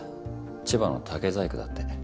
千葉の竹細工だって。